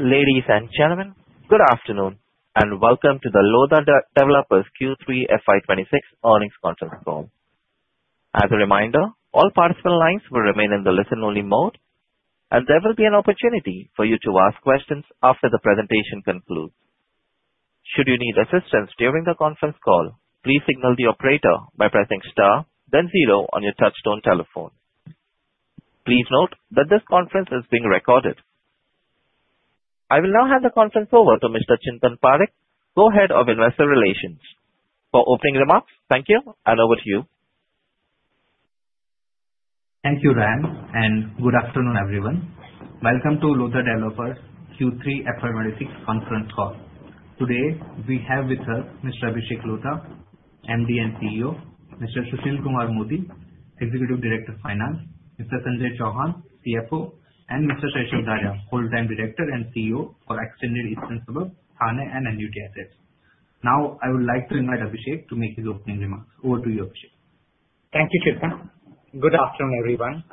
Ladies and gentlemen, good afternoon, and welcome to the Lodha Developers Q3 FY 2026 earnings conference call. As a reminder, all participant lines will remain in the listen-only mode, and there will be an opportunity for you to ask questions after the presentation concludes. Should you need assistance during the conference call, please signal the operator by pressing star then zero on your touchtone telephone. Please note that this conference is being recorded. I will now hand the conference over to Mr. Chintan Parekh, Co-Head of Investor Relations, for opening remarks. Thank you, and over to you. Thank you, Ran, and good afternoon, everyone. Welcome to Lodha Developers Q3 FY26 conference call. Today, we have with us Mr. Abhishek Lodha, MD and CEO; Mr. Sushil Kumar Modi, Executive Director of Finance; Mr. Sanjay Chauhan, CFO; and Mr. Shaishav Dharia, Whole-Time Director and CEO for Extended Eastern Suburbs, Thane and Annuity Assets. Now, I would like to invite Abhishek to make his opening remarks. Over to you, Abhishek. Thank you, Chintan. Good afternoon, everyone.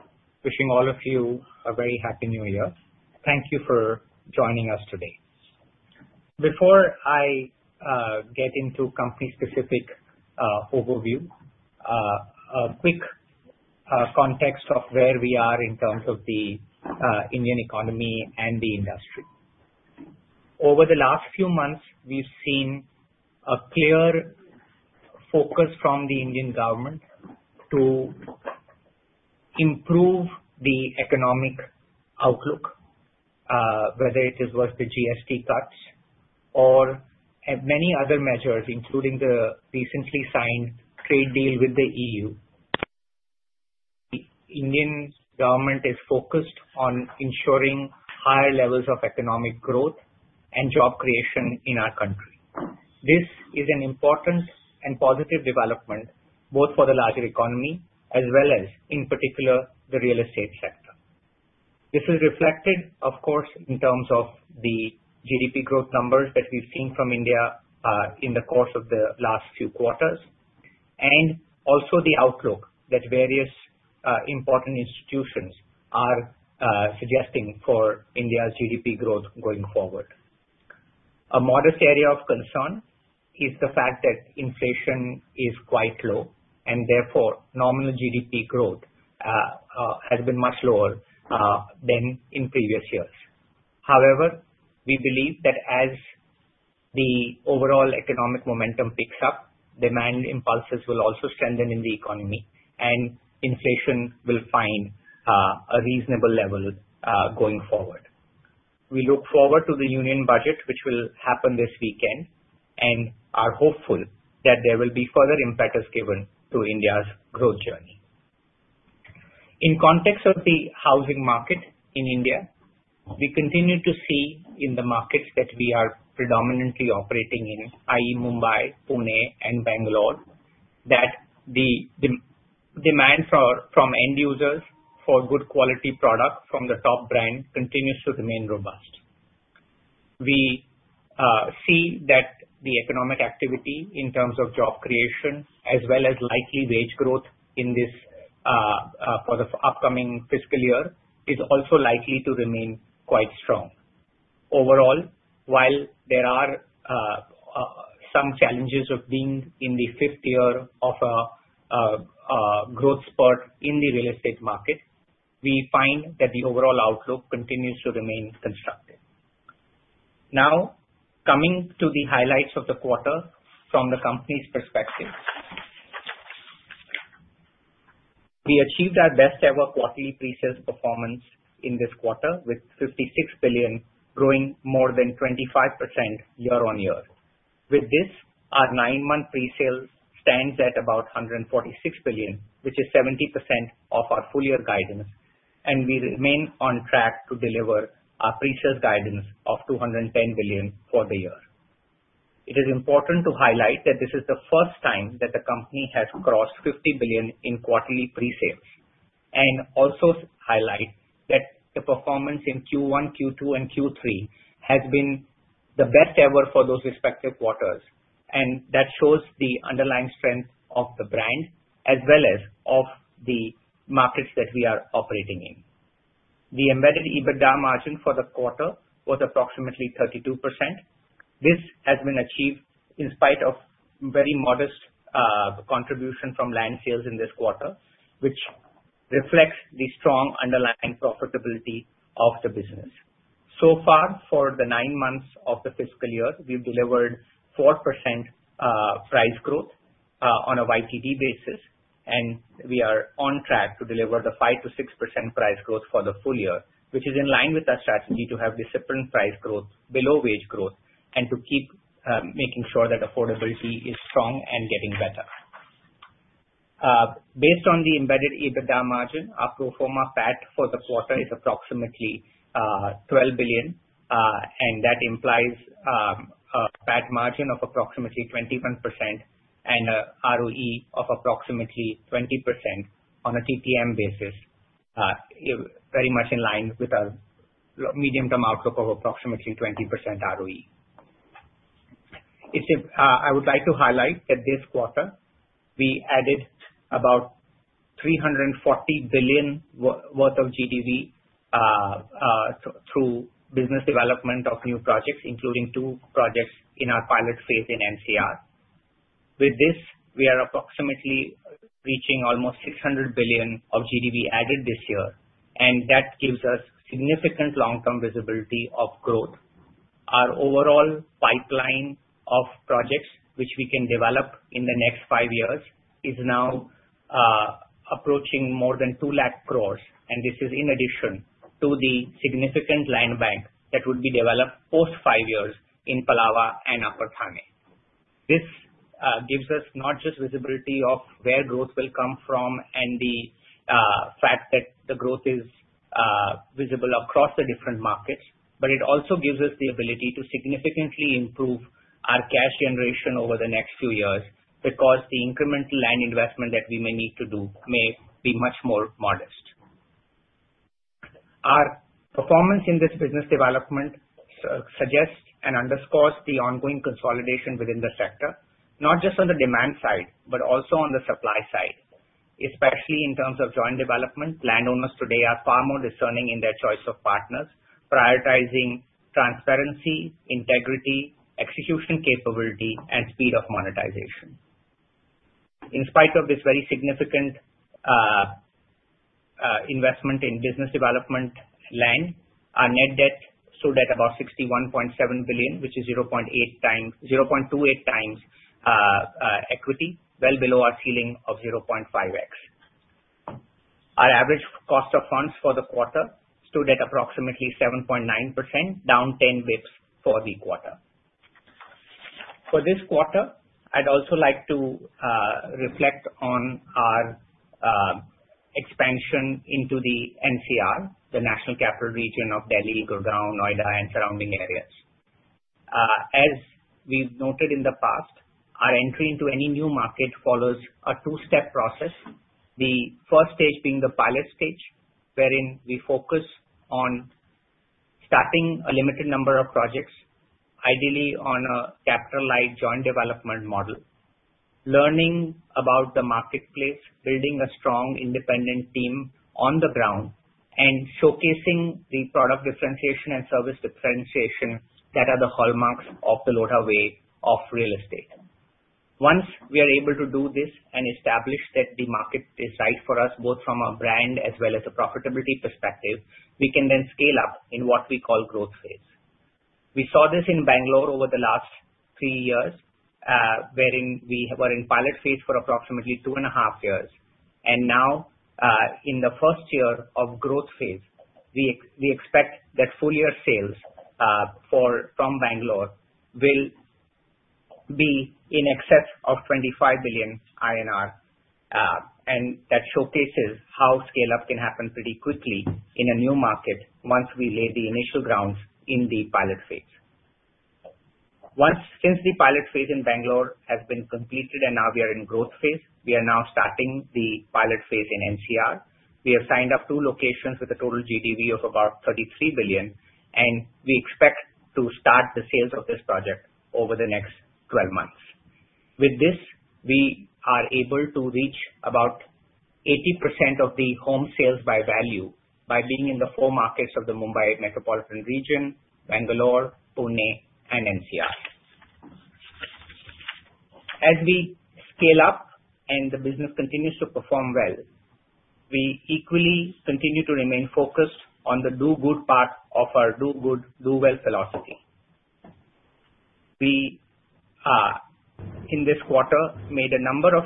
Wishing all of you a very happy new year. Thank you for joining us today. Before I get into company-specific overview, a quick context of where we are in terms of the Indian economy and the industry. Over the last few months, we've seen a clear focus from the Indian government to improve the economic outlook, whether it is worth the GST cuts or at many other measures, including the recently signed trade deal with the EU. The Indian government is focused on ensuring higher levels of economic growth and job creation in our country. This is an important and positive development, both for the larger economy as well as, in particular, the real estate sector. This is reflected, of course, in terms of the GDP growth numbers that we've seen from India in the course of the last few quarters, and also the outlook that various important institutions are suggesting for India's GDP growth going forward. A modest area of concern is the fact that inflation is quite low, and therefore nominal GDP growth has been much lower than in previous years. However, we believe that as the overall economic momentum picks up, demand impulses will also strengthen in the economy, and inflation will find a reasonable level going forward. We look forward to the union budget, which will happen this weekend, and are hopeful that there will be further impetus given to India's growth journey. In context of the housing market in India, we continue to see in the markets that we are predominantly operating in, i.e., Mumbai, Pune, and Bangalore, that the demand from end users for good quality product from the top brand continues to remain robust. We see that the economic activity in terms of job creation, as well as likely wage growth in this for the upcoming fiscal year, is also likely to remain quite strong. Overall, while there are some challenges of being in the fifth year of a growth spurt in the real estate market, we find that the overall outlook continues to remain constructive. Now, coming to the highlights of the quarter from the company's perspective. We achieved our best ever quarterly pre-sales performance in this quarter, with 56 billion growing more than 25% year-on-year. With this, our nine-month pre-sale stands at about 146 billion, which is 70% of our full year guidance, and we remain on track to deliver our pre-sales guidance of 210 billion for the year. It is important to highlight that this is the first time that the company has crossed 50 billion in quarterly pre-sales, and also highlight that the performance in Q1, Q2 and Q3 has been the best ever for those respective quarters. That shows the underlying strength of the brand, as well as of the markets that we are operating in. The embedded EBITDA margin for the quarter was approximately 32%. This has been achieved in spite of very modest contribution from land sales in this quarter, which reflects the strong underlying profitability of the business. So far, for the nine months of the fiscal year, we've delivered 4% price growth on a YTD basis, and we are on track to deliver the 5%-6% price growth for the full year. Which is in line with our strategy to have disciplined price growth below wage growth and to keep making sure that affordability is strong and getting better. Based on the embedded EBITDA margin, our pro forma PAT for the quarter is approximately 12 billion, and that implies a PAT margin of approximately 21% and a ROE of approximately 20% on a TTM basis. It very much in line with our medium-term outlook of approximately 20% ROE... I would like to highlight that this quarter, we added about 340 billion worth of GDV through business development of new projects, including two projects in our pilot phase in NCR. With this, we are approximately reaching almost 600 billion of GDV added this year, and that gives us significant long-term visibility of growth. Our overall pipeline of projects, which we can develop in the next five years, is now approaching more than 2 lakh crore, and this is in addition to the significant land bank that would be developed post five years in Palava and Upper Thane. This gives us not just visibility of where growth will come from and the fact that the growth is visible across the different markets, but it also gives us the ability to significantly improve our cash generation over the next few years, because the incremental land investment that we may need to do may be much more modest. Our performance in this business development suggests and underscores the ongoing consolidation within the sector, not just on the demand side, but also on the supply side. Especially in terms of joint development, landowners today are far more discerning in their choice of partners, prioritizing transparency, integrity, execution capability, and speed of monetization. In spite of this very significant investment in business development land, our net debt stood at about 61.7 billion, which is 0.28x equity, well below our ceiling of 0.5x. Our average cost of funds for the quarter stood at approximately 7.9%, down 10 basis points for the quarter. For this quarter, I'd also like to reflect on our expansion into the NCR, the National Capital Region of Delhi, Gurgaon, Noida, and surrounding areas. As we've noted in the past, our entry into any new market follows a two-step process. The first stage being the pilot stage, wherein we focus on starting a limited number of projects, ideally on a capital-light joint development model. Learning about the marketplace, building a strong independent team on the ground, and showcasing the product differentiation and service differentiation that are the hallmarks of the Lodha way of real estate. Once we are able to do this and establish that the market is right for us, both from a brand as well as a profitability perspective, we can then scale up in what we call growth phase. We saw this in Bangalore over the last three years, wherein we were in pilot phase for approximately two and a half years. And now, in the first year of growth phase, we expect that full year sales from Bangalore will be in excess of 25 billion INR, and that showcases how scale-up can happen pretty quickly in a new market once we lay the initial grounds in the pilot phase. Since the pilot phase in Bangalore has been completed and now we are in growth phase, we are now starting the pilot phase in NCR. We have signed up 2 locations with a total GDV of about 33 billion, and we expect to start the sales of this project over the next 12 months. With this, we are able to reach about 80% of the home sales by value, by being in the four markets of the Mumbai metropolitan region, Bangalore, Pune, and NCR. As we scale up and the business continues to perform well, we equally continue to remain focused on the do-good part of our Do Good, Do Well philosophy. We, in this quarter, made a number of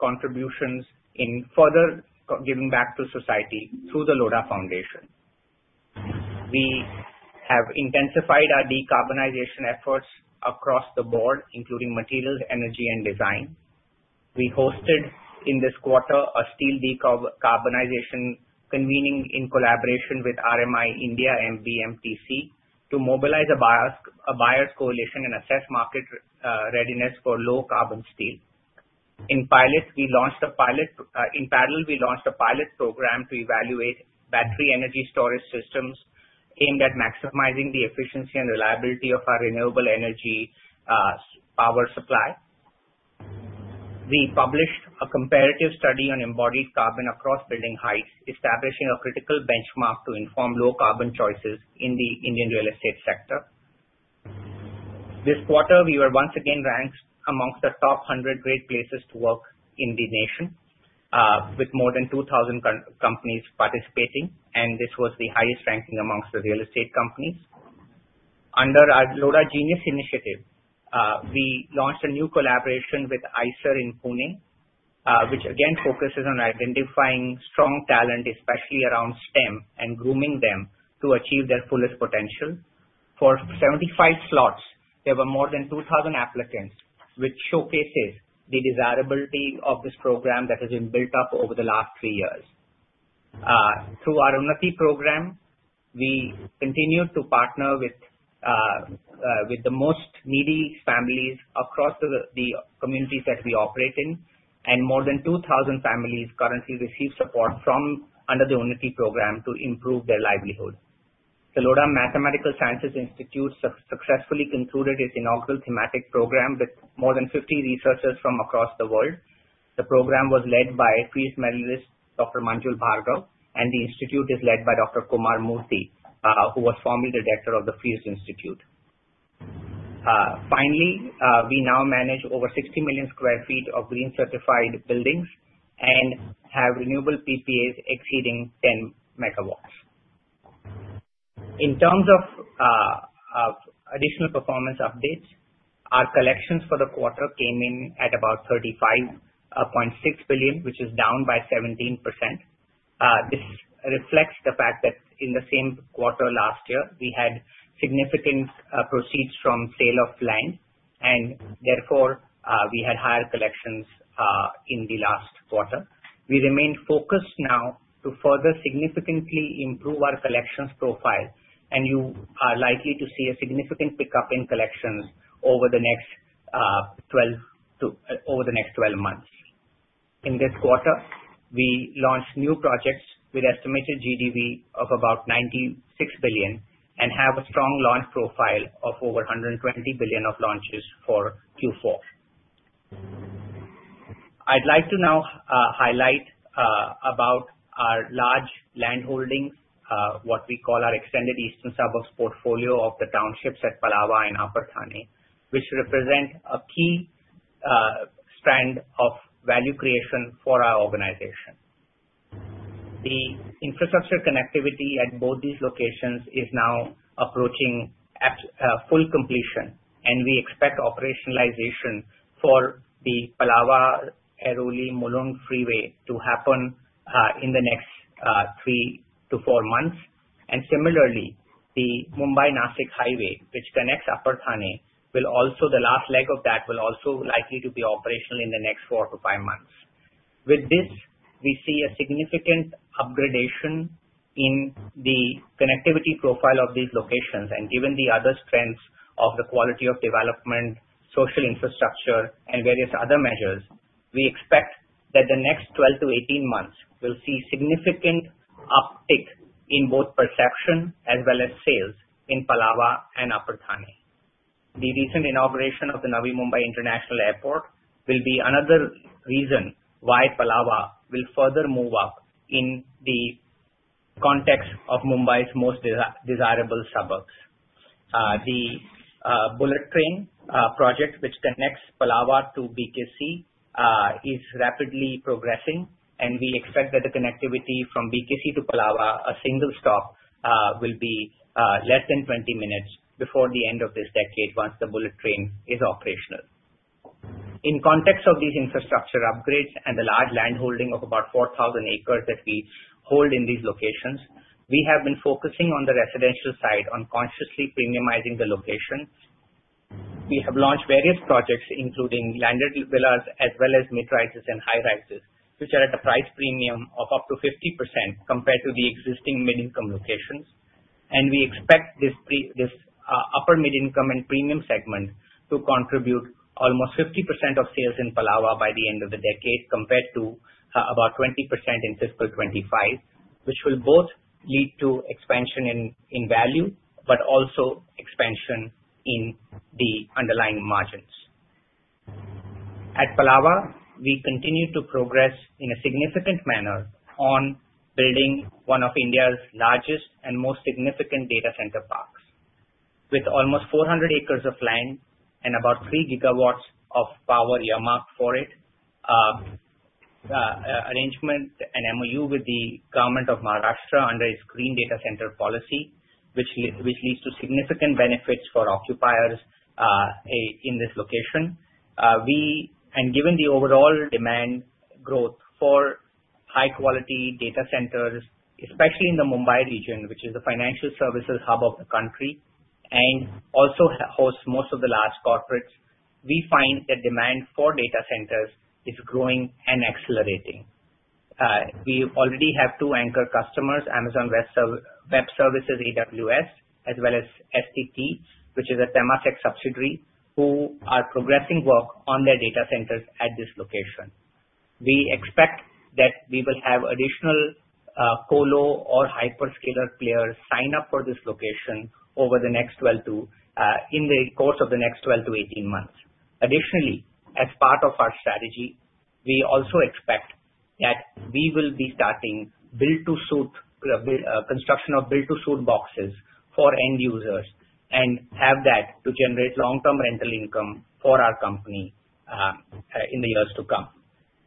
contributions in further giving back to society through the Lodha Foundation. We have intensified our decarbonization efforts across the board, including materials, energy, and design. We hosted, in this quarter, a steel decarbonization convening in collaboration with RMI India and BMTPC to mobilize a Buyers Coalition and assess market readiness for low carbon steel. In parallel, we launched a pilot program to evaluate battery energy storage systems aimed at maximizing the efficiency and reliability of our renewable energy power supply. We published a comparative study on embodied carbon across building heights, establishing a critical benchmark to inform low carbon choices in the Indian real estate sector. This quarter, we were once again ranked amongst the top 100 great places to work in the nation, with more than 2,000 companies participating, and this was the highest ranking amongst the real estate companies. Under our Lodha Genius initiative, we launched a new collaboration with IISER in Pune, which again focuses on identifying strong talent, especially around STEM, and grooming them to achieve their fullest potential. For 75 slots, there were more than 2,000 applicants, which showcases the desirability of this program that has been built up over the last three years. Through our Unnati Program, we continued to partner with the most needy families across the communities that we operate in, and more than 2,000 families currently receive support from under the Unnati Program to improve their livelihood.... The Lodha Mathematical Sciences Institute successfully concluded its inaugural thematic program with more than 50 researchers from across the world. The program was led by Fields Medalist, Dr. Manjul Bhargava, and the institute is led by Dr. Kumar Murty, who was formerly director of the Fields Institute. Finally, we now manage over 60 million sq ft of green certified buildings and have renewable PPAs exceeding 10 MW. In terms of additional performance updates, our collections for the quarter came in at about 35.6 billion, which is down by 17%. This reflects the fact that in the same quarter last year, we had significant proceeds from sale of land, and therefore we had higher collections in the last quarter. We remain focused now to further significantly improve our collections profile, and you are likely to see a significant pickup in collections over the next 12 to over the next 12 months. In this quarter, we launched new projects with estimated GDV of about 96 billion and have a strong launch profile of over 120 billion of launches for Q4. I'd like to now highlight about our large land holdings, what we call our extended eastern suburbs portfolio of the townships at Palava and Upper Thane, which represent a key strand of value creation for our organization. The infrastructure connectivity at both these locations is now approaching full completion, and we expect operationalization for the Palava-Airoli-Mulund freeway to happen in the next three to four months. And similarly, the Mumbai-Nashik highway, which connects Upper Thane, will also, the last leg of that will also be likely to be operational in the next four to five months. With this, we see a significant upgradation in the connectivity profile of these locations. Given the other strengths of the quality of development, social infrastructure, and various other measures, we expect that the next 12-18 months will see significant uptick in both perception as well as sales in Palava and Upper Thane. The recent inauguration of the Navi Mumbai International Airport will be another reason why Palava will further move up in the context of Mumbai's most desirable suburbs. The bullet train project, which connects Palava to BKC, is rapidly progressing, and we expect that the connectivity from BKC to Palava, a single stop, will be less than 20 minutes before the end of this decade once the bullet train is operational. In context of these infrastructure upgrades and the large landholding of about 4,000 acres that we hold in these locations, we have been focusing on the residential side on consciously premiumizing the locations. We have launched various projects, including landed villas as well as mid-rises and high-rises, which are at a price premium of up to 50% compared to the existing mid-income locations. We expect this upper mid-income and premium segment to contribute almost 50% of sales in Palava by the end of the decade, compared to about 20% in fiscal 2025, which will both lead to expansion in value, but also expansion in the underlying margins. At Palava, we continue to progress in a significant manner on building one of India's largest and most significant data center parks. With almost 400 acres of land and about 3 GW of power earmarked for it, an MOU with the Government of Maharashtra under its Green Data Center Policy, which leads to significant benefits for occupiers in this location. And given the overall demand growth for high-quality data centers, especially in the Mumbai region, which is the financial services hub of the country, and also hosts most of the large corporates, we find that demand for data centers is growing and accelerating. We already have two anchor customers, Amazon Web Services (AWS), as well as STT, which is a Temasek subsidiary, who are progressing work on their data centers at this location. We expect that we will have additional colo or hyperscaler players sign up for this location over the next 12 to 18 months. Additionally, as part of our strategy, we also expect that we will be starting build-to-suit construction of build-to-suit boxes for end users and have that to generate long-term rental income for our company in the years to come.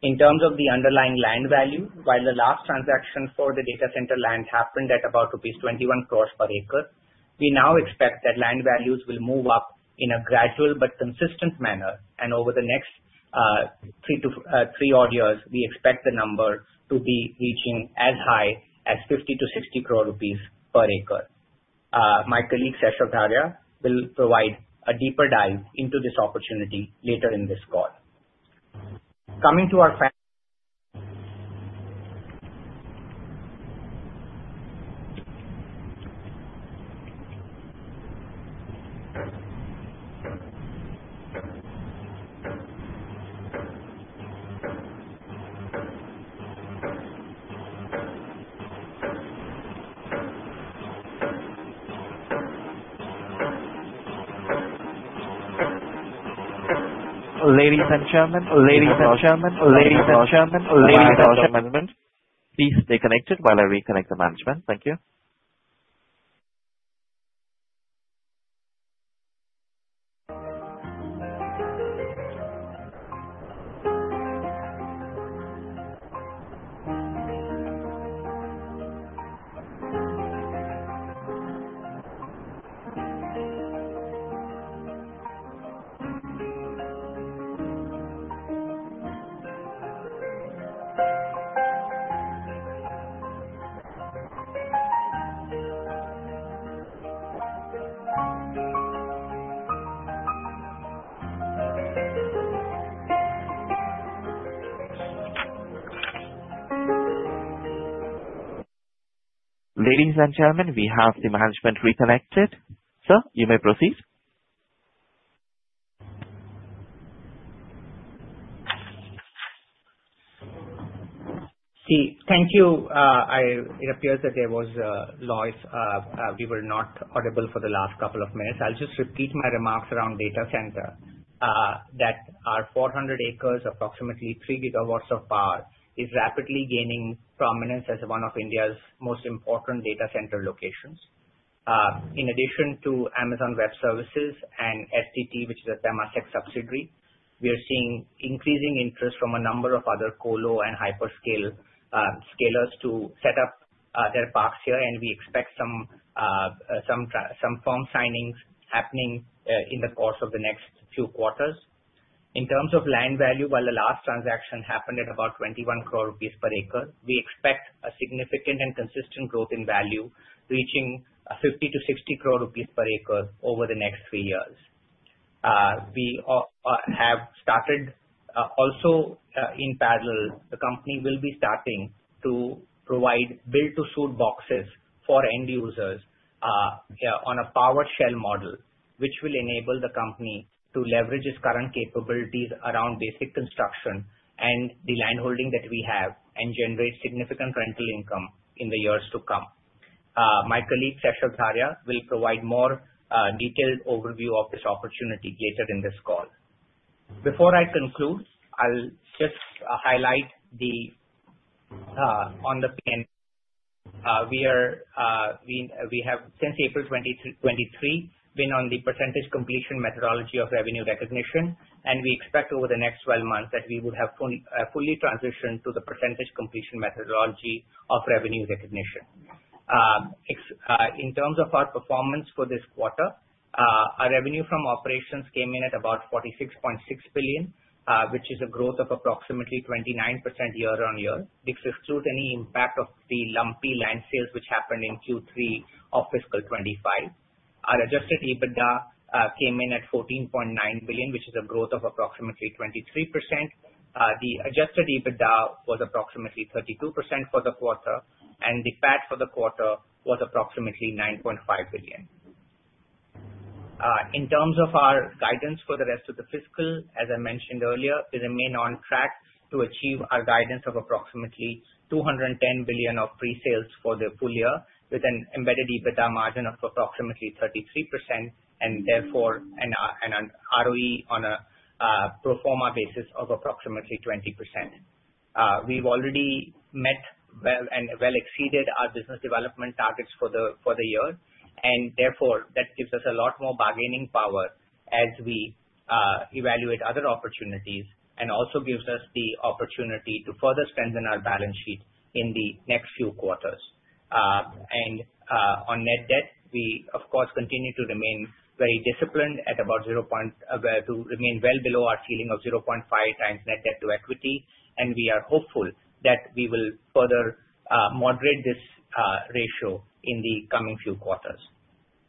In terms of the underlying land value, while the last transaction for the data center land happened at about rupees 21 crore per acre, we now expect that land values will move up in a gradual but consistent manner. Over the next three-odd years, we expect the number to be reaching as high as 50 crore-60 crore rupees per acre. My colleague, Shaishav Dharia, will provide a deeper dive into this opportunity later in this call. Coming to our fa-... Ladies and gentlemen, ladies and gentlemen, ladies and gentlemen, ladies and gentlemen, please stay connected while I reconnect the management. Thank you. Ladies and gentlemen, we have the management reconnected. Sir, you may proceed. See, thank you. It appears that there was a loss, we were not audible for the last couple of minutes. I'll just repeat my remarks around data center, that our 400 acres, approximately 3 GW of power, is rapidly gaining prominence as one of India's most important data center locations. In addition to Amazon Web Services and STT, which is a Temasek subsidiary, we are seeing increasing interest from a number of other colo and hyperscalers to set up their parks here, and we expect some firm signings happening in the course of the next few quarters. In terms of land value, while the last transaction happened at about 21 crore rupees per acre, we expect a significant and consistent growth in value, reaching 50 crore-60 crore rupees per acre over the next three years. We have started also in parallel, the company will be starting to provide build-to-suit boxes for end users, yeah, on a powered shell model, which will enable the company to leverage its current capabilities around basic construction and the land holding that we have, and generate significant rental income in the years to come. My colleague, Shaishav Dharia, will provide more detailed overview of this opportunity later in this call. Before I conclude, I'll just highlight the on the pen. We have, since April 2023, been on the percentage completion methodology of revenue recognition, and we expect over the next 12 months that we would have fully transitioned to the percentage completion methodology of revenue recognition. In terms of our performance for this quarter, our revenue from operations came in at about 46.6 billion, which is a growth of approximately 29% year-on-year. This excludes any impact of the lumpy land sales which happened in Q3 of fiscal 2025. Our adjusted EBITDA came in at 14.9 billion, which is a growth of approximately 23%. The adjusted EBITDA was approximately 32% for the quarter, and the PAT for the quarter was approximately 9.5 billion. In terms of our guidance for the rest of the fiscal, as I mentioned earlier, we remain on track to achieve our guidance of approximately 210 billion of pre-sales for the full year, with an embedded EBITDA margin of approximately 33%, and therefore, an ROE on a pro forma basis of approximately 20%. We've already met well and well exceeded our business development targets for the year, and therefore, that gives us a lot more bargaining power as we evaluate other opportunities and also gives us the opportunity to further strengthen our balance sheet in the next few quarters. On net debt, we of course continue to remain very disciplined at about 0, to remain well below our ceiling of 0.5x net debt to equity, and we are hopeful that we will further moderate this ratio in the coming few quarters.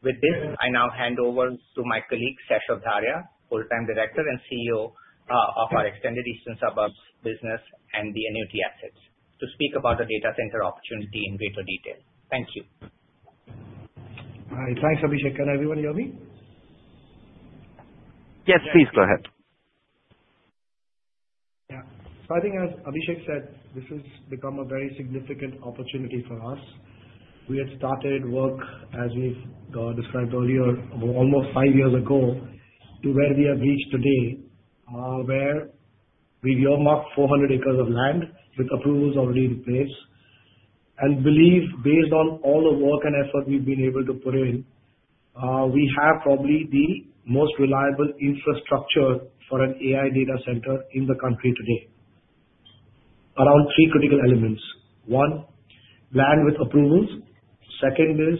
With this, I now hand over to my colleague, Shaishav Dharia, Whole-Time Director and CEO of our Extended Eastern Suburbs Business and the Annuity Assets, to speak about the data center opportunity in greater detail. Thank you. All right. Thanks, Abhishek. Can everyone hear me? Yes, please go ahead. Yeah. So I think as Abhishek said, this has become a very significant opportunity for us. We had started work, as we've described earlier, almost five years ago, to where we have reached today, where we've earmarked 400 acres of land with approvals already in place, and believe based on all the work and effort we've been able to put in, we have probably the most reliable infrastructure for an AI data center in the country today. Around three critical elements: One, land with approvals. Second is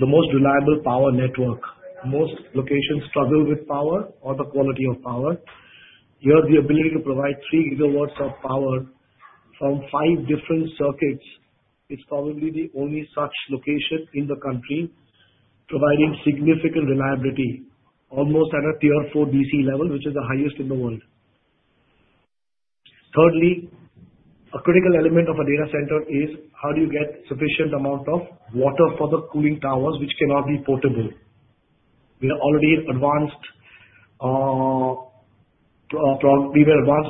the most reliable power network. Most locations struggle with power or the quality of power. Here, the ability to provide 3 GW of power from five different circuits is probably the only such location in the country, providing significant reliability, almost at a Tier 4 DC level, which is the highest in the world. Thirdly, a critical element of a data center is how do you get sufficient amount of water for the cooling towers, which cannot be potable? We have already advanced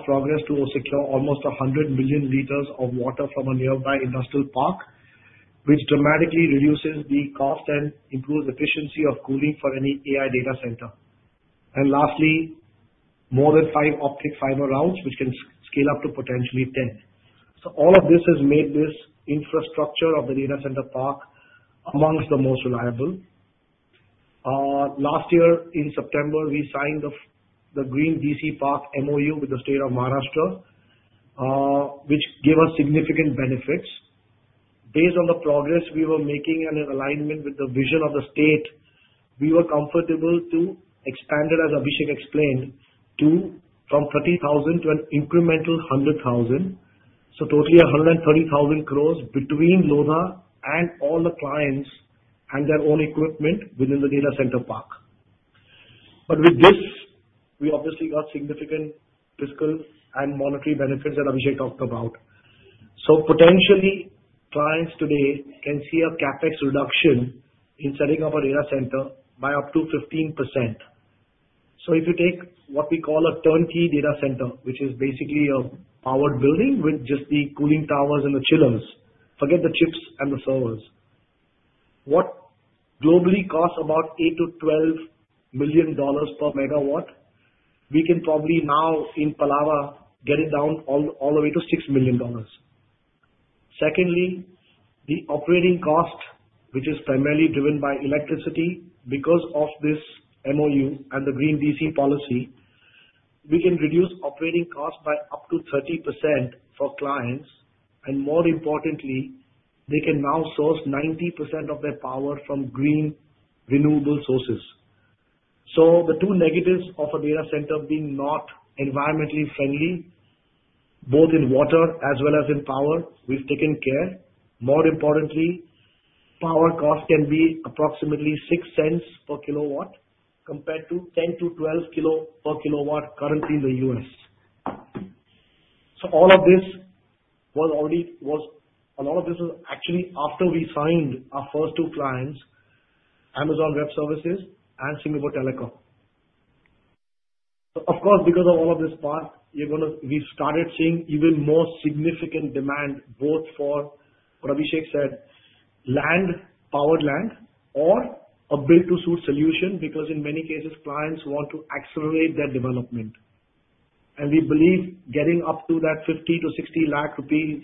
progress to secure almost 100 million liters of water from a nearby industrial park, which dramatically reduces the cost and improves efficiency of cooling for any AI data center. And lastly, more than five optic fiber routes, which can scale up to potentially 10. So all of this has made this infrastructure of the data center park amongst the most reliable. Last year, in September, we signed the Green DC Park MOU with the state of Maharashtra, which gave us significant benefits. Based on the progress we were making and in alignment with the vision of the state, we were comfortable to expand it, as Abhishek explained, to from 30,000 crore to an incremental 100,000 crore. So totally 130,000 crore between Lodha and all the clients and their own equipment within the data center park. But with this, we obviously got significant fiscal and monetary benefits that Abhishek talked about. So potentially, clients today can see a CapEx reduction in setting up a data center by up to 15%. So if you take what we call a turnkey data center, which is basically a powered building with just the cooling towers and the chillers, forget the chips and the servers. What globally costs about $8 million-$12 millio/MW, we can probably now, in Palava, get it down all, all the way to $6 million. Secondly, the operating cost, which is primarily driven by electricity, because of this MOU and the Green DC policy, we can reduce operating costs by up to 30% for clients, and more importantly, they can now source 90% of their power from green, renewable sources. So the two negatives of a data center being not environmentally friendly, both in water as well as in power, we've taken care. More importantly, power cost can be approximately $0.06/kW, compared to $0.10-$0.12/kW currently in the U.S. So all of this was already... was, a lot of this was actually after we signed our first two clients, Amazon Web Services and Singapore Telecom. So of course, because of all of this part, we've started seeing even more significant demand, both for, what Abhishek said, land, powered land or a build-to-suit solution. Because in many cases, clients want to accelerate their development. And we believe getting up to that 50-60 lakh rupees,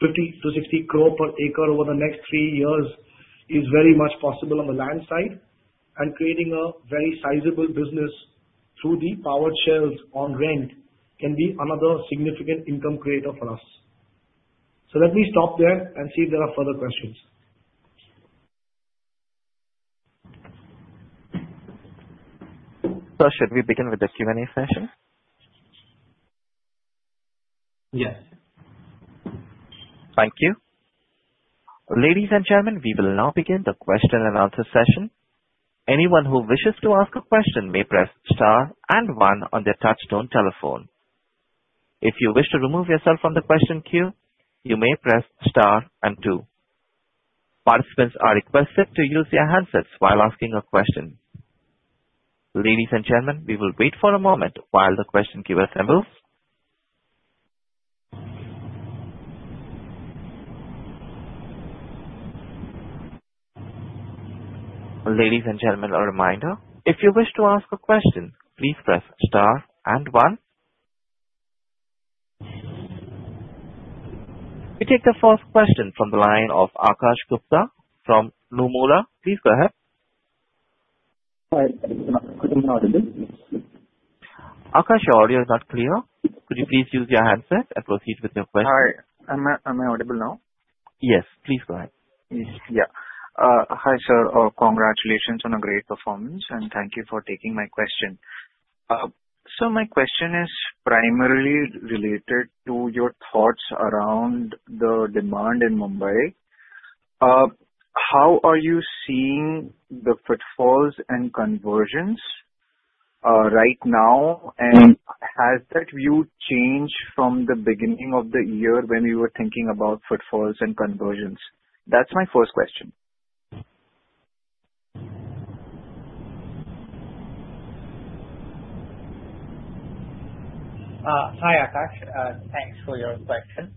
50-60 crore per acre over the next three years is very much possible on the land side, and creating a very sizable business through the powered shells on rent can be another significant income creator for us. So let me stop there and see if there are further questions. Sir, should we begin with the Q&A session? Yes. Thank you. Ladies and gentlemen, we will now begin the question-and-answer session. Anyone who wishes to ask a question may press star and one on their touchtone telephone. If you wish to remove yourself from the question queue, you may press star and two. Participants are requested to use their handsets while asking a question. Ladies and gentlemen, we will wait for a moment while the question queue assembles. Ladies and gentlemen, a reminder, if you wish to ask a question, please press star and one. We take the first question from the line of Akash Gupta from Nomura. Please go ahead. Hi, Am I audible? Akash, your audio is not clear. Could you please use your handset and proceed with your question? Hi. Am I audible now? Yes, please go ahead. Yes. Yeah. Hi, sir. Congratulations on a great performance and thank you for taking my question. So my question is primarily related to your thoughts around the demand in Mumbai. How are you seeing the footfalls and conversions right now? And has that view changed from the beginning of the year when you were thinking about footfalls and conversions? That's my first question. Hi, Akash. Thanks for your question.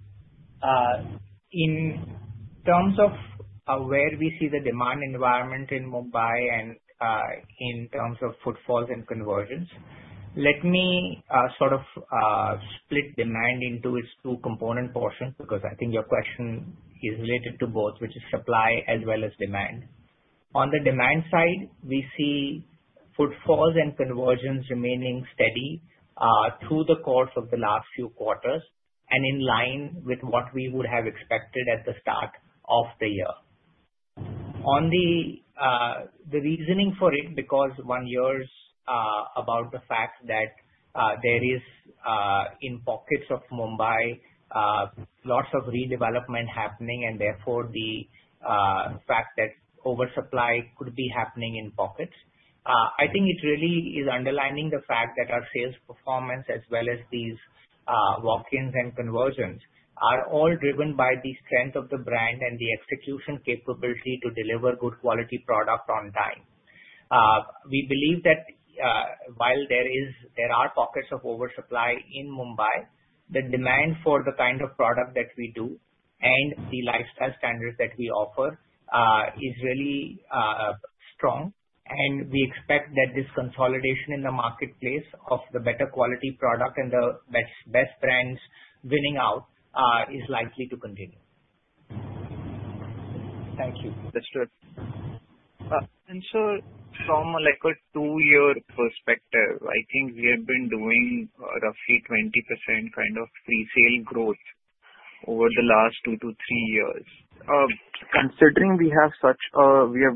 In terms of where we see the demand environment in Mumbai and in terms of footfalls and conversions, let me sort of split demand into its two component portions, because I think your question is related to both, which is supply as well as demand. On the demand side, we see footfalls and conversions remaining steady through the course of the last few quarters and in line with what we would have expected at the start of the year. On the reasoning for it, because one hears about the fact that there is in pockets of Mumbai lots of redevelopment happening, and therefore, the fact that oversupply could be happening in pockets. I think it really is underlining the fact that our sales performance as well as these walk-ins and conversions are all driven by the strength of the brand and the execution capability to deliver good quality product on time. We believe that while there is, there are pockets of oversupply in Mumbai, the demand for the kind of product that we do and the lifestyle standards that we offer is really strong. And we expect that this consolidation in the marketplace of the better-quality product and the best brands winning out is likely to continue. Thank you. Understood. So from, like, a two-year perspective, I think we have been doing roughly 20% kind of pre-sale growth over the last two to three years. Considering we have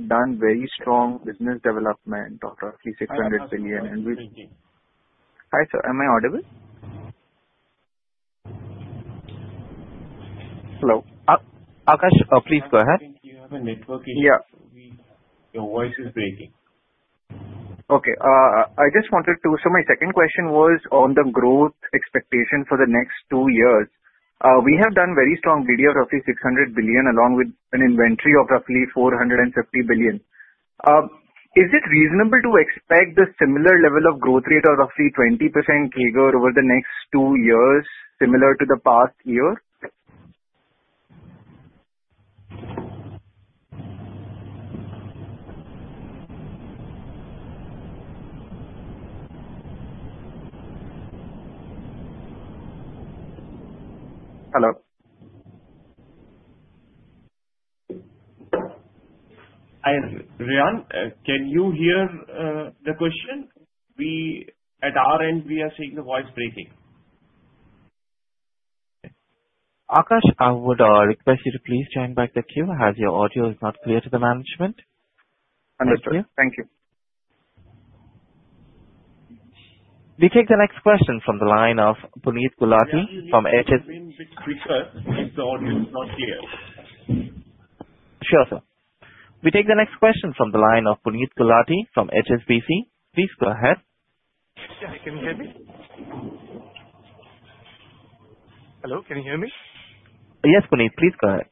done very strong business development of roughly 600 billion- Hi, sir. Am I audible? Hello? Akash, please go ahead. I think you have a network issue. Yeah. Your voice is breaking. Okay, I just wanted to... So my second question was on the growth expectation for the next two years. We have done very strong roughly 600 billion, along with an inventory of roughly 450 billion. Is it reasonable to expect the similar level of growth rate of roughly 20% CAGR over the next two years, similar to the past year? Hello? Hi, Ran, can you hear the question? We, at our end, we are seeing the voice breaking. Akash, I would request you to please join back the queue, as your audio is not clear to the management. Understood. Thank you. We take the next question from the line of Puneet Gulati from HSBC. Please speak little bit clearer, as the audio is not clear. Sure, sir. We take the next question from the line of Puneet Gulati from HSBC. Please go ahead. Yeah, can you hear me? Hello, can you hear me? Yes, Puneet, please go ahead.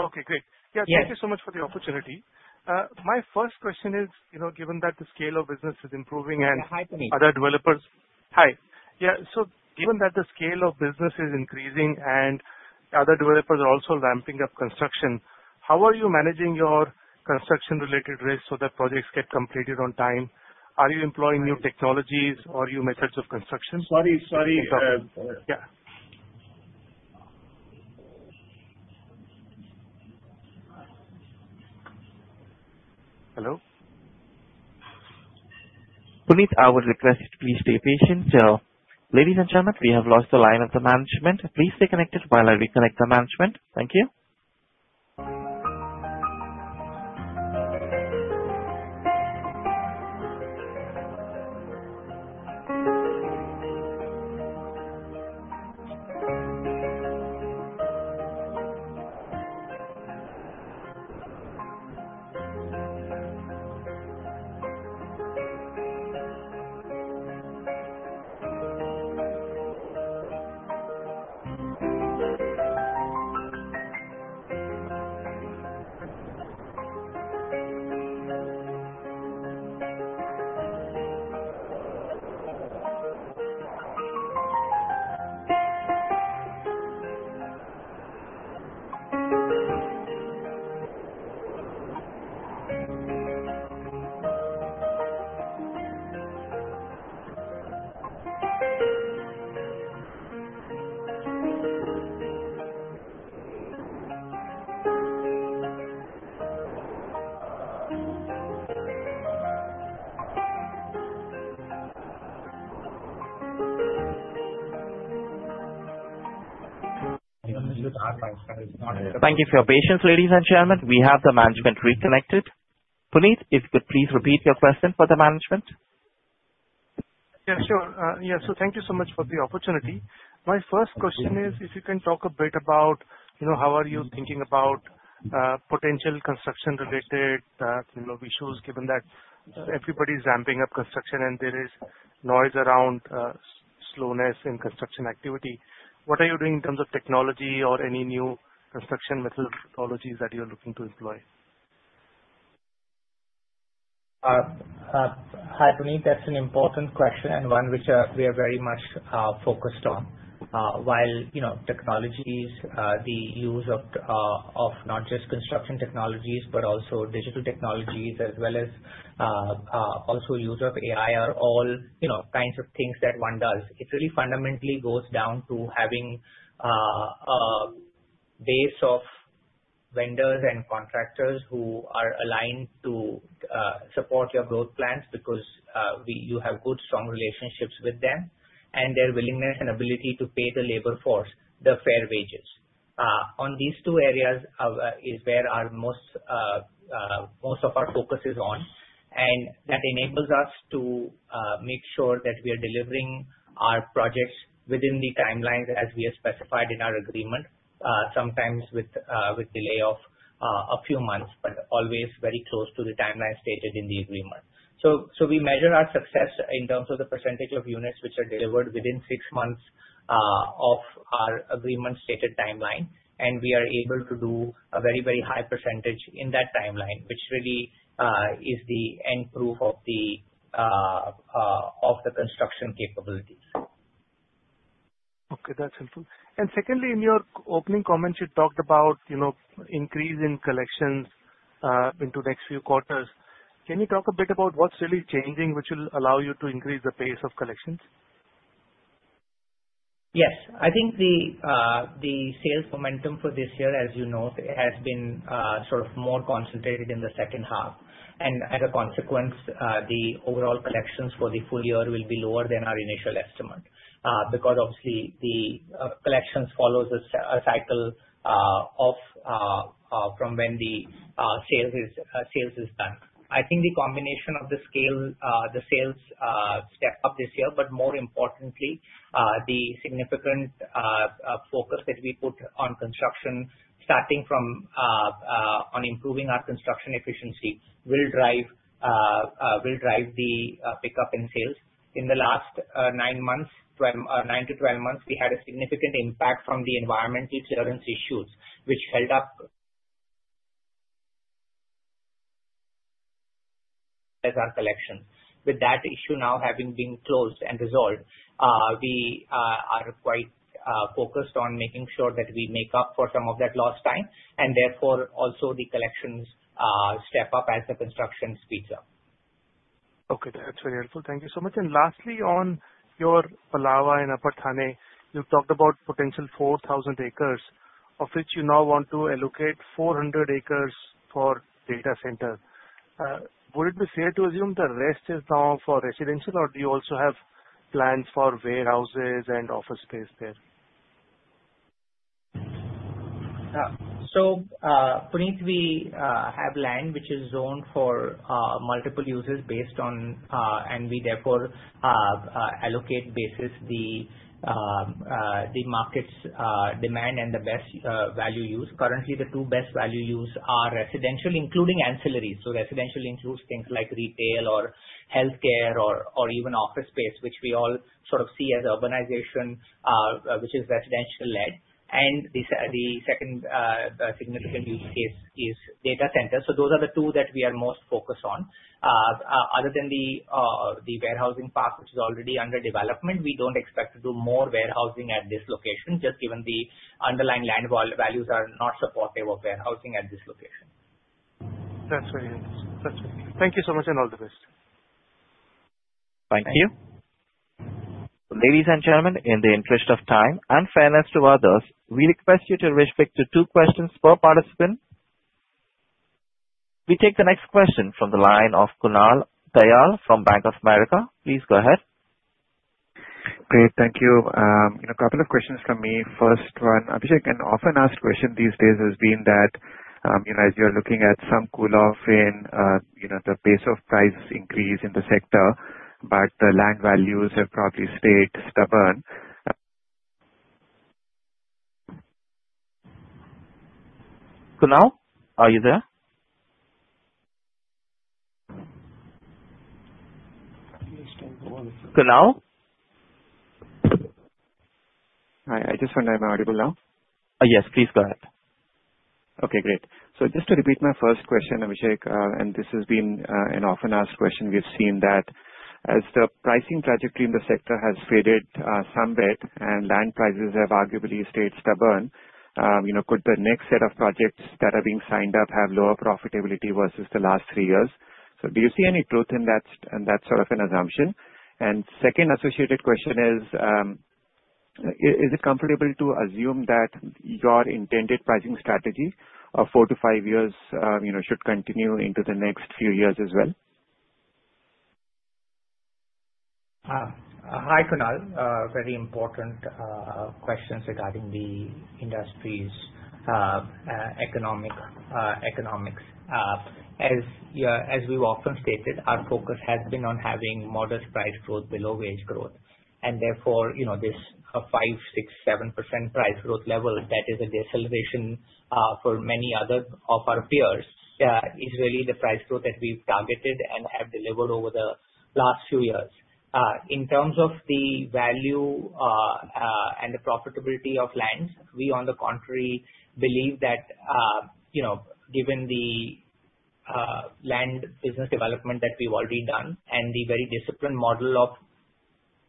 Okay, great. Yeah. Thank you so much for the opportunity. My first question is, you know, given that the scale of business is improving and- Hi, Puneet. other developers. Hi. Yeah, so given that the scale of business is increasing and other developers are also ramping up construction, how are you managing your construction-related risks so that projects get completed on time? Are you employing new technologies or new methods of construction? Sorry, sorry, Yeah. Hello? Puneet, I would request, please stay patient. Ladies and gentlemen, we have lost the line of the management. Please stay connected while I reconnect the management. Thank you. Thank you for your patience, ladies and gentlemen. We have the management reconnected. Puneet, if you could please repeat your question for the management. Yeah, sure. Yeah, so thank you so much for the opportunity. My first question is, if you can talk a bit about, you know, how are you thinking about potential construction-related, you know, issues, given that everybody's ramping up construction and there is noise around slowness in construction activity. What are you doing in terms of technology or any new construction methodologies that you're looking to employ? Hi, Puneet. That's an important question and one which we are very much focused on. While, you know, technologies, the use of not just construction technologies, but also digital technologies, as well as also use of AI are all, you know, kinds of things that one does. It really fundamentally goes down to having a base of vendors and contractors who are aligned to support your growth plans, because we you have good, strong relationships with them and their willingness and ability to pay the labor force the fair wages. On these two areas is where our most, most of our focus is on, and that enables us to make sure that we are delivering our projects within the timelines as we have specified in our agreement. Sometimes with delay of a few months, but always very close to the timeline stated in the agreement. So we measure our success in terms of the percentage of units which are delivered within six months of our agreement stated timeline, and we are able to do a very, very high percentage in that timeline, which really is the end proof of the construction capabilities. Okay, that's helpful. And secondly, in your opening comments, you talked about, you know, increase in collections into next few quarters. Can you talk a bit about what's really changing, which will allow you to increase the pace of collections? Yes. I think the sales momentum for this year, as you know, has been sort of more concentrated in the second half. And as a consequence, the overall collections for the full year will be lower than our initial estimate. Because obviously the collections follow a cycle of from when the sales is done. I think the combination of the scale, the sales step up this year, but more importantly, the significant focus that we put on construction, starting from on improving our construction efficiency, will drive the pickup in sales. In the last nine to 12 months, we had a significant impact from the environmental clearance issues, which held up as our collection. With that issue now having been closed and resolved, we are quite focused on making sure that we make up for some of that lost time, and therefore, also the collections step up as the construction speeds up. Okay, that's very helpful. Thank you so much. And lastly, on your Palava in Upper Thane, you've talked about potential 4,000 acres, of which you now want to allocate 400 acres for data center. Would it be fair to assume the rest is now for residential, or do you also have plans for warehouses and office space there? So, Puneet, we have land which is zoned for multiple uses based on, and we therefore allocate basis the market's demand and the best value use. Currently, the two best value use are residential, including ancillaries. So residential includes things like retail or healthcare or even office space, which we all sort of see as urbanization, which is residential-led. And the second significant use case is data centers. So those are the two that we are most focused on. Other than the warehousing part, which is already under development, we don't expect to do more warehousing at this location, just given the underlying land values are not supportive of warehousing at this location. That's very helpful. That's it. Thank you so much, and all the best. Thank you. Ladies and gentlemen, in the interest of time and fairness to others, we request you to restrict to two questions per participant. We take the next question from the line of Kunal Tayal from Bank of America. Please go ahead. Great. Thank you. A couple of questions from me. First one, Abhishek, an often asked question these days has been that, you know, as you're looking at some cooling off in, you know, the pace of price increase in the sector, but the land values have probably stayed stubborn. Kunal, are you there? Kunal? Hi, I just want to know, am I audible now? Yes, please go ahead. Okay, great. So just to repeat my first question, Abhishek, and this has been an often-asked question. We've seen that as the pricing trajectory in the sector has faded somewhat, and land prices have arguably stayed stubborn, you know, could the next set of projects that are being signed up have lower profitability versus the last three years? So do you see any truth in that, in that sort of an assumption? And second associated question is, is it comfortable to assume that your intended pricing strategy of four to five years, you know, should continue into the next few years as well? Hi, Kunal. Very important questions regarding the industry's economics. As we've often stated, our focus has been on having modest price growth below wage growth, and therefore, you know, this 5%-7% price growth level, that is a deceleration for many other of our peers, is really the price growth that we've targeted and have delivered over the last few years. In terms of the value and the profitability of lands, we, on the contrary, believe that, you know, given the land business development that we've already done and the very disciplined model of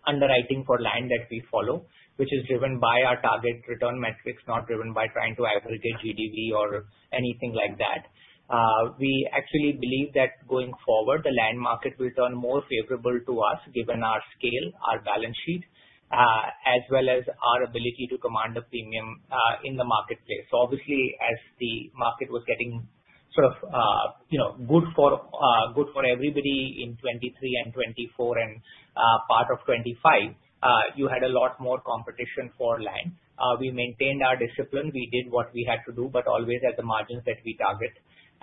underwriting for land that we follow, which is driven by our target return metrics, not driven by trying to aggregate GDV or anything like that. We actually believe that going forward, the land market will turn more favorable to us, given our scale, our balance sheet, as well as our ability to command a premium in the marketplace. So obviously, as the market was getting sort of, you know, good for everybody in 2023 and 2024 and part of 2025, you had a lot more competition for land. We maintained our discipline. We did what we had to do, but always at the margins that we target.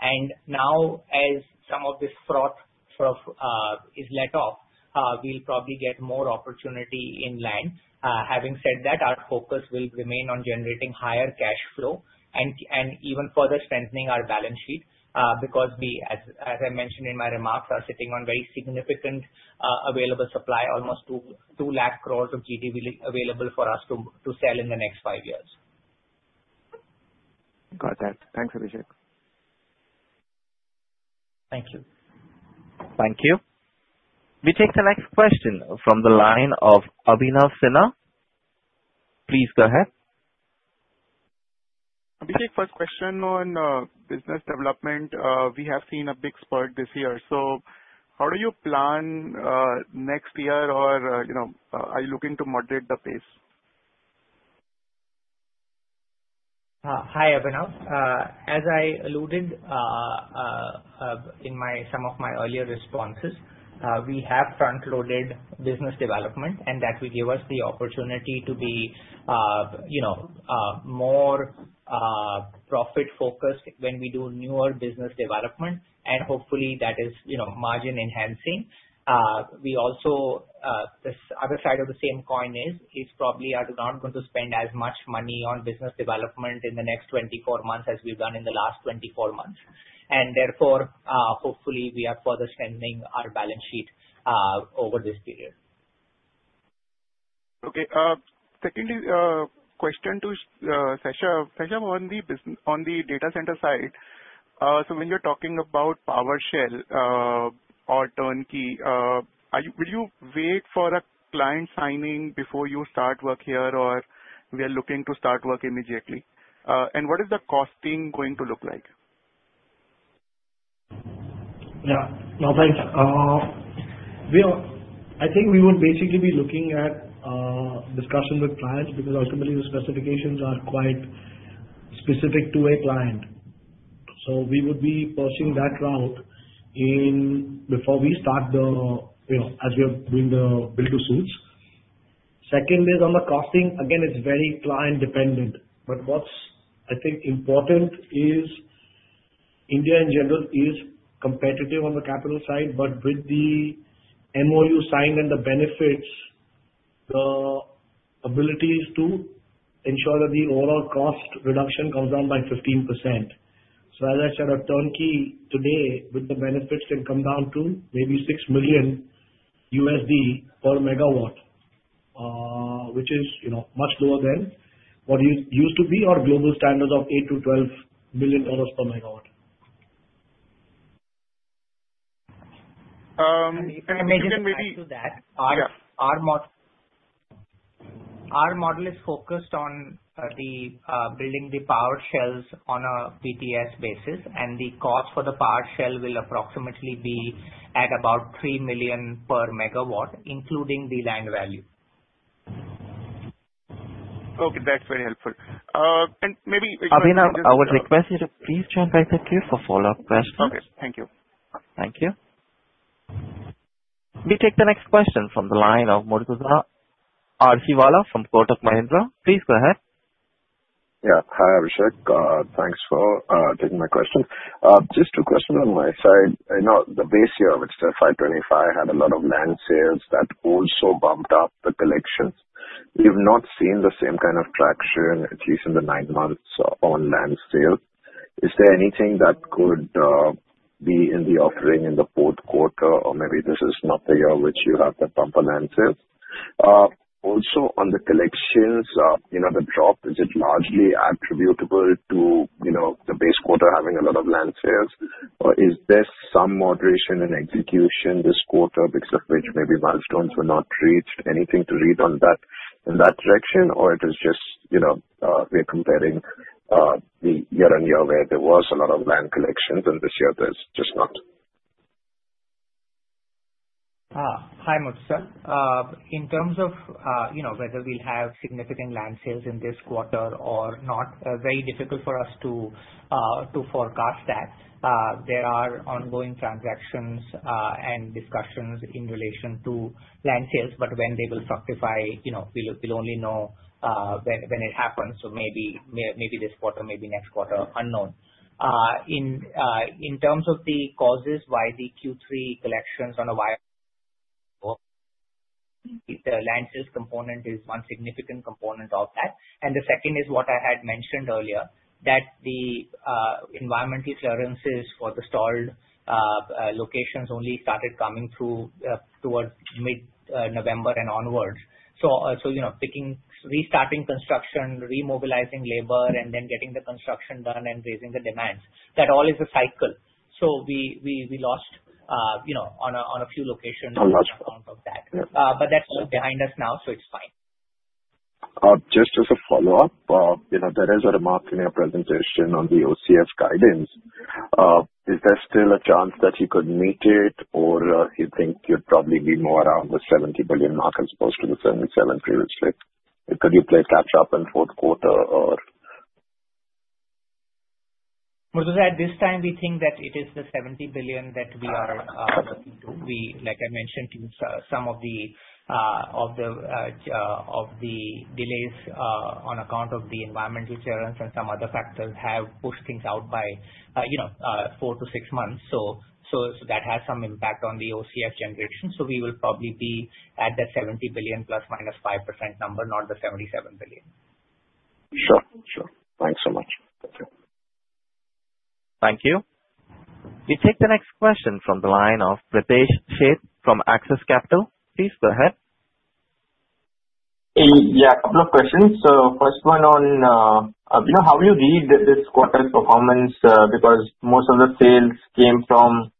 And now, as some of this froth is let off, we'll probably get more opportunity in land. Having said that, our focus will remain on generating higher cash flow and even further strengthening our balance sheet. Because we, as I mentioned in my remarks, are sitting on very significant available supply, almost 2 lakh crore of GDV available for us to sell in the next five years. Got that. Thanks, Abhishek. Thank you. Thank you. We take the next question from the line of Abhinav Sinha. Please go ahead. Abhishek, first question on business development. We have seen a big spurt this year, so how do you plan next year? Or, you know, are you looking to moderate the pace? Hi, Abhinav. As I alluded in some of my earlier responses, we have front-loaded business development, and that will give us the opportunity to be, you know, more profit-focused when we do newer business development, and hopefully that is, you know, margin-enhancing. We also, this other side of the same coin is probably are not going to spend as much money on business development in the next 24 months as we've done in the last 24 months. And therefore, hopefully we are further strengthening our balance sheet over this period. Okay, secondly, question to Shaishav. Shaishav, on the data center side, so when you're talking about power shell, or turnkey, will you wait for a client signing before you start work here, or we are looking to start work immediately? And what is the costing going to look like? Yeah. No, thanks. We are, I think we would basically be looking at discussions with clients, because ultimately the specifications are quite specific to a client. So, we would be pursuing that route in before we start the, you know, as we are doing the build-to-suits. Secondly, is on the costing, again, it's very client dependent, but what's I think important is India in general is competitive on the capital side, but with the MOU signed and the benefits, the ability is to ensure that the overall cost reduction comes down by 15%. So as I said, our turnkey today, with the benefits, can come down to maybe $6 million/MW, which is, you know, much lower than what it used to be, our global standard of $8 million-$12 million/MW. and maybe- To add to that- Yeah. Our model is focused on building the powered shells on a BTS basis, and the cost for the powered shell will approximately be at about 3 million/MW, including the land value. Okay, that's very helpful. And maybe- Abhinav, I would request you to please join back the queue for follow-up questions. Okay, thank you. Thank you. We take the next question from the line of Murtuza Arsiwalla from Kotak Mahindra. Please go ahead. Yeah. Hi, Abhishek. Thanks for taking my question. Just two questions on my side. I know the base year of it, so 2025, had a lot of land sales that also bumped up the collections. We've not seen the same kind of traction, at least in the nine months on land sales. Is there anything that could be in the offering in the fourth quarter? Or maybe this is not the year which you have the bumper land sales. Also, on the collections, you know, the drop, is it largely attributable to, you know, the base quarter having a lot of land sales? Or is there some moderation in execution this quarter because of which maybe milestones were not reached? Anything to read on that, in that direction, or it is just, you know, we are comparing the year-on-year, where there was a lot of land collections and this year there's just not? Hi, Murtuza. In terms of, you know, whether we'll have significant land sales in this quarter or not, very difficult for us to forecast that. There are ongoing transactions and discussions in relation to land sales, but when they will fructify, you know, we'll only know when it happens, so maybe this quarter, maybe next quarter, unknown. In terms of the causes why the Q3 collections on a YoY the land sales component is one significant component of that. And the second is what I had mentioned earlier that the environmental clearances for the stalled locations only started coming through towards mid-November and onwards. So, you know, picking, restarting construction, remobilizing labor, and then getting the construction done and raising the demands, that all is a cycle. So we lost, you know, on a few locations- A lot. on account of that. Yeah. That's behind us now, so it's fine. Just as a follow-up, you know, there is a remark in your presentation on the OCF guidance. Is there still a chance that you could meet it, or you think you'd probably be more around the 70 billion mark as opposed to the 77 billion previously? Could you play catch up in fourth quarter, or? Murtuza, at this time we think that it is the 70 billion that we are, like I mentioned to you, some of the delays on account of the environmental clearance and some other factors have pushed things out by, you know, four to six months. So that has some impact on the OCF generation. So we will probably be at the 70 billion ±5% number, not the 77 billion. Sure, sure. Thanks so much. Thank you. We take the next question from the line of Pritesh Sheth from Axis Capital. Please go ahead. Yeah, a couple of questions. So first one on, you know, how you read this quarter's performance, because most of the sales came from,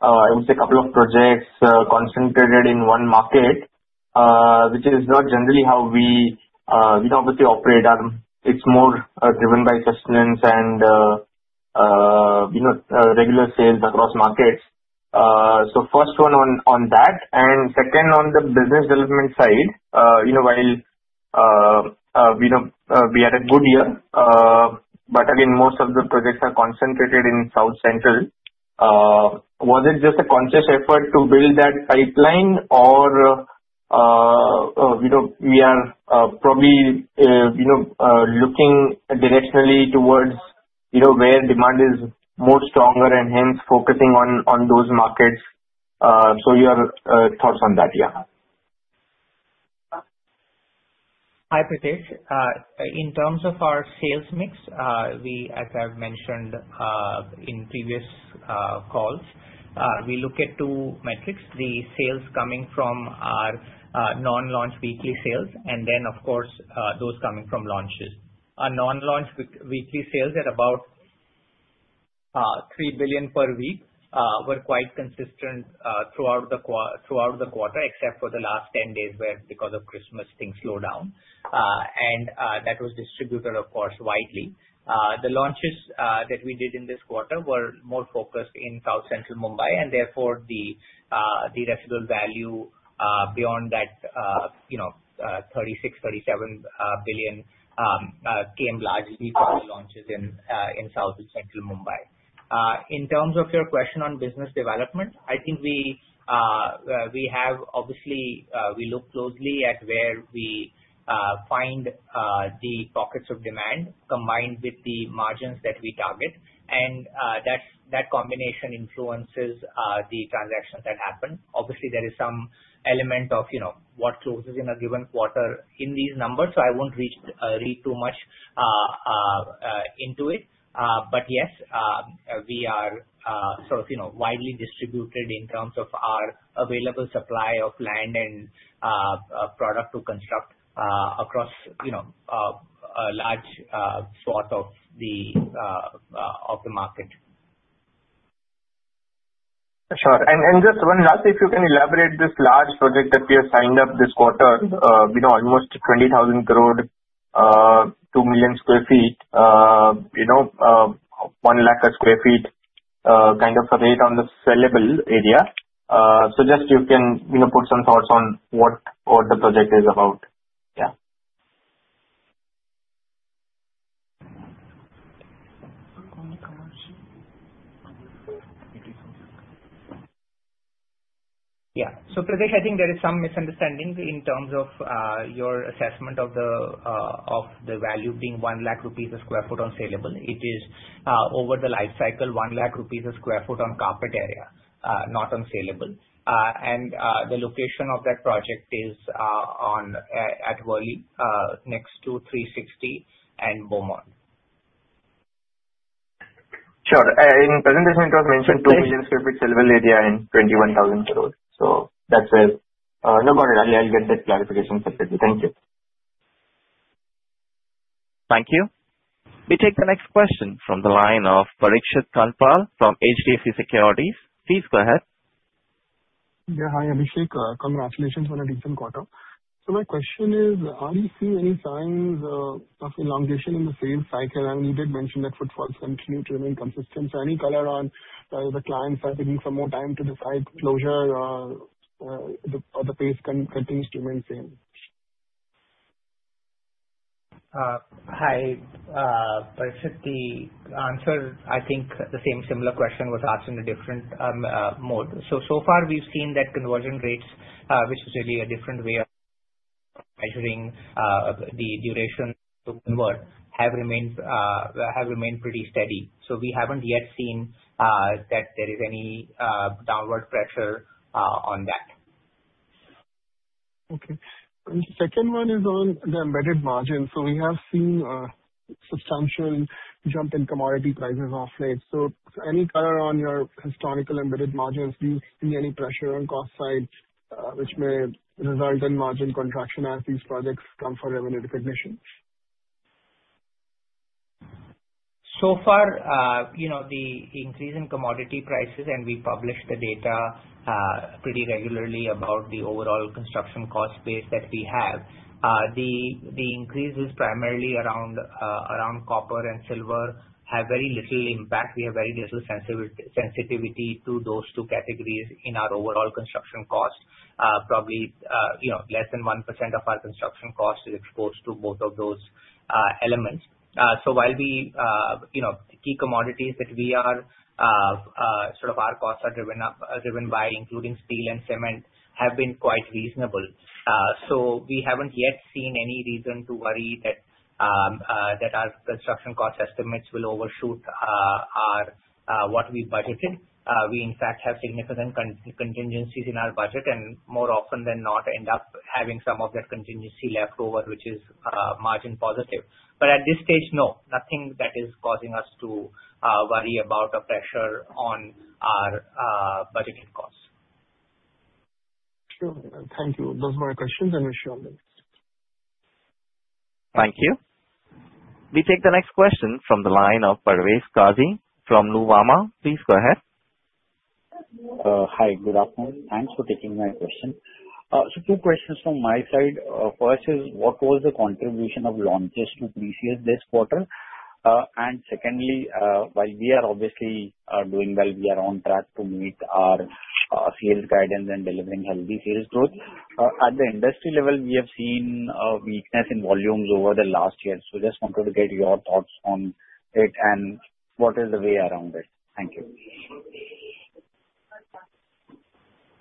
I would say, a couple of projects, concentrated in one market, which is not generally how we obviously operate. It's more driven by sustenance and, you know, regular sales across markets. So first one on that, and second, on the business development side, you know, while we know we had a good year, but again, most of the projects are concentrated in South Central. Was it just a conscious effort to build that pipeline or, you know, we are probably, you know, looking directionally towards, you know, where demand is more stronger and hence focusing on those markets? So your thoughts on that? Yeah. Hi, Pritesh. In terms of our sales mix, we, as I've mentioned, in previous calls, we look at two metrics: the sales coming from our non-launch weekly sales, and then, of course, those coming from launches. Our non-launch weekly sales at about 3 billion per week were quite consistent throughout the quarter, except for the last 10 days, where because of Christmas, things slowed down. That was distributed, of course, widely. The launches that we did in this quarter were more focused in South Central Mumbai, and therefore the residual value beyond that, you know, 36-37 billion came largely from the launches in South and Central Mumbai. In terms of your question on business development, I think we have—obviously, we look closely at where we find the pockets of demand, combined with the margins that we target. And, that combination influences the transactions that happen. Obviously, there is some element of, you know, what closes in a given quarter in these numbers, so I won't read too much into it. But yes, we are sort of, you know, widely distributed in terms of our available supply of land and product to construct across, you know, a large swath of the market. Sure. And just one last, if you can elaborate this large project that we have signed up this quarter, you know, almost INR 20,000 crore, 2 million sq ft, you know, 1 lakh sq ft kind of rate on the sellable area. So just you can, you know, put some thoughts on what, what the project is about. Yeah. Yeah. So Pritesh, I think there is some misunderstanding in terms of your assessment of the value being 1 lakh rupees per sq ft on saleable. It is over the life cycle, 1 lakh rupees per sq ft on carpet area, not on saleable. And the location of that project is on at Worli, next to Three Sixty and Beaumonde. Sure. In presentation it was mentioned 2 million sq ft saleable area and 21,000 crore. That's it. No worry, I'll get that clarification separately. Thank you. Thank you. We take the next question from the line of Parikshit Kandpal from HDFC Securities. Please go ahead. Yeah, hi, Abhishek, congratulations on a decent quarter. So my question is: Are you seeing any signs of elongation in the sales cycle? And you did mention that footfalls continue to remain consistent. So any color on the clients are taking some more time to decide closure or the pace continues to remain same? Hi, Parikshit. The answer, I think the same similar question was asked in a different mode. So, so far we've seen that conversion rates, which is really a different way of measuring the duration to convert, have remained, have remained pretty steady. So we haven't yet seen that there is any downward pressure on that. Okay. The second one is on the embedded margin. We have seen a substantial jump in commodity prices of late. Any color on your historical embedded margins, do you see any pressure on cost side, which may result in margin contraction as these projects come for revenue recognition? So far, you know, the increase in commodity prices, and we publish the data pretty regularly about the overall construction cost base that we have. The increase is primarily around copper and silver, have very little impact. We have very little sensitivity to those two categories in our overall construction cost. Probably, you know, less than 1% of our construction cost is exposed to both of those elements. So while we, you know, key commodities that we are sort of our costs are driven up, are driven by, including steel and cement, have been quite reasonable. So we haven't yet seen any reason to worry that our construction cost estimates will overshoot our what we budgeted. We in fact have significant contingencies in our budget, and more often than not, end up having some of that contingency left over, which is margin positive. But at this stage, no, nothing that is causing us to worry about a pressure on our budgeted costs. Sure. Thank you. Those were my questions, and wish you all the best. Thank you. We take the next question from the line of Parvez Qazi from Nuvama. Please go ahead. Hi, good afternoon. Thanks for taking my question. So two questions from my side. First is, what was the contribution of launches to pre-sales this quarter? And secondly, while we are obviously doing well, we are on track to meet our sales guidance and delivering healthy sales growth. At the industry level, we have seen a weakness in volumes over the last year. So just wanted to get your thoughts on it and what is the way around it? Thank you. Thank you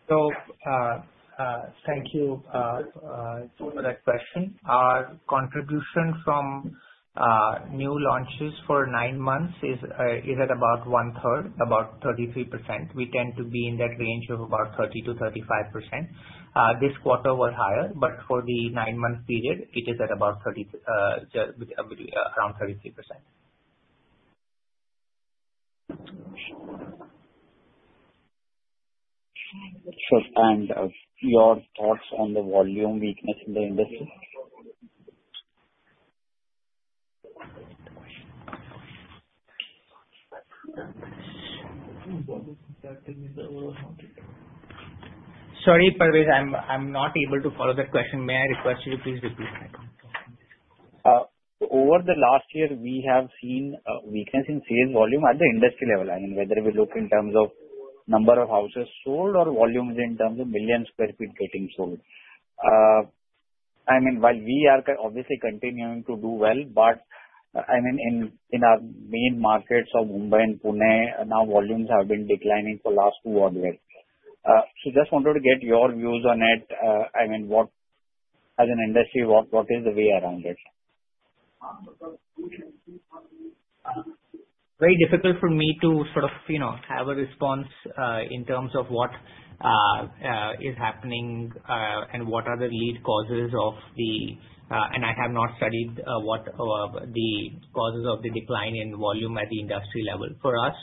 for that question. Our contribution from new launches for nine months is at about 1/3, about 33%. We tend to be in that range of about 30%-35%. This quarter was higher, but for the nine-month period, it is at about 30, around 33%. Sure. Your thoughts on the volume weakness in the industry? Sorry, Parvez, I'm, I'm not able to follow the question. May I request you to please repeat? Over the last year, we have seen a weakness in sales volume at the industry level. I mean, whether we look in terms of number of houses sold or volumes in terms of million sq ft getting sold. I mean, while we are obviously continuing to do well, but I mean, in our main markets of Mumbai and Pune, now volumes have been declining for last two odd years. So just wanted to get your views on it. I mean, what, as an industry, what is the way around it? Very difficult for me to sort of, you know, have a response in terms of what is happening and what are the lead causes of the... I have not studied what the causes of the decline in volume at the industry level. For us,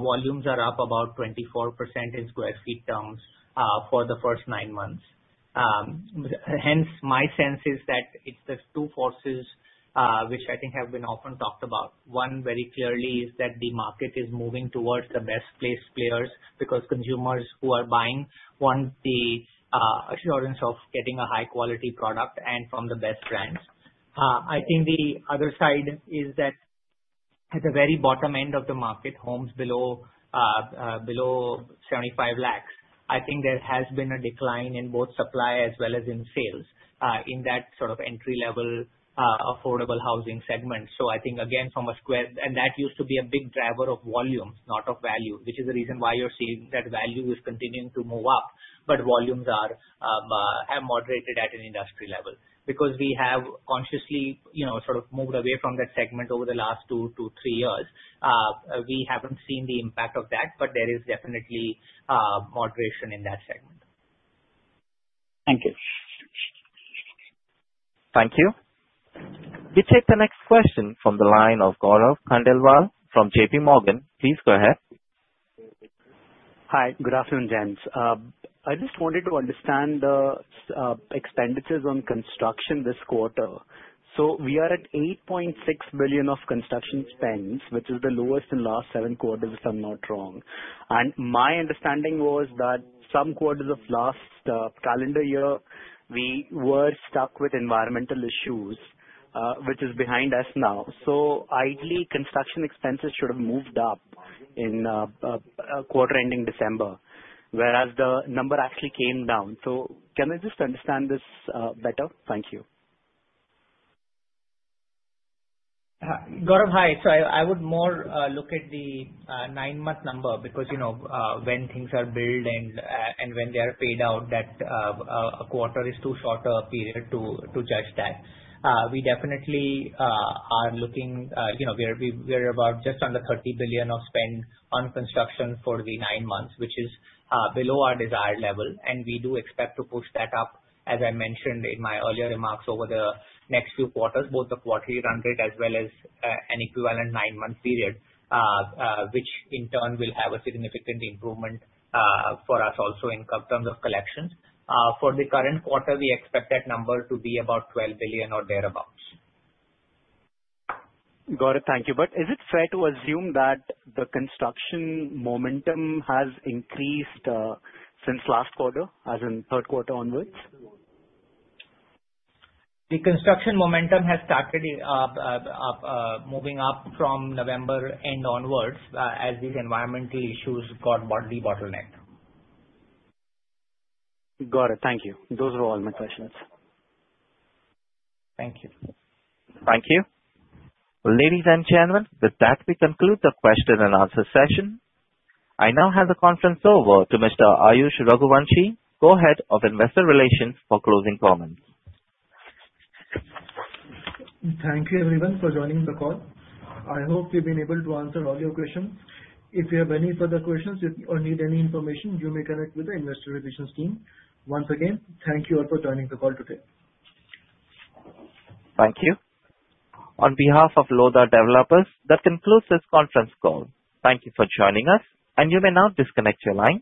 volumes are up about 24% in sq ft terms for the first nine months. Hence, my sense is that it's the two forces which I think have been often talked about. One, very clearly, is that the market is moving towards the best place players, because consumers who are buying want the assurance of getting a high-quality product and from the best brands. I think the other side is that at the very bottom end of the market, homes below 75 lakh, I think there has been a decline in both supply as well as in sales in that sort of entry-level affordable housing segment. So I think, again, that used to be a big driver of volume, not of value, which is the reason why you're seeing that value is continuing to move up. But volumes are, have moderated at an industry level. Because we have consciously, you know, sort of moved away from that segment over the last two to three years. We haven't seen the impact of that, but there is definitely moderation in that segment. Thank you. Thank you. We take the next question from the line of Gaurav Khandelwal from JPMorgan. Please go ahead. Hi, good afternoon, gents. I just wanted to understand the expenditures on construction this quarter. So we are at 8.6 billion of construction spends, which is the lowest in last seven quarters, if I'm not wrong. And my understanding was that some quarters of last calendar year, we were stuck with environmental issues, which is behind us now. So ideally, construction expenses should have moved up in quarter ending December, whereas the number actually came down. So can I just understand this better? Thank you. Gaurav, hi. So I would more look at the nine-month number, because, you know, when things are billed and when they are paid out, that a quarter is too short a period to judge that. We definitely are looking, you know, we are, we're about just under 30 billion of spend on construction for the nine months, which is below our desired level, and we do expect to push that up, as I mentioned in my earlier remarks, over the next few quarters, both the quarterly run rate as well as an equivalent nine-month period, which in turn will have a significant improvement for us also in terms of collections. For the current quarter, we expect that number to be about 12 billion or thereabout. Got it, thank you. But is it fair to assume that the construction momentum has increased, since last quarter, as in third quarter onwards? The construction momentum has started moving up from November and onwards as these environmental issues got to be the bottleneck. Got it. Thank you. Those were all my questions. Thank you. Thank you. Ladies and gentlemen, with that, we conclude the question-and-answer session. I now hand the conference over to Mr. Ayush Raghuvanshi, Co-Head of Investor Relations, for closing comments. Thank you, everyone, for joining the call. I hope we've been able to answer all your questions. If you have any further questions, or need any information, you may connect with the Investor Relations team. Once again, thank you all for joining the call today. Thank you. On behalf of Lodha Developers, that concludes this conference call. Thank you for joining us, and you may now disconnect your lines.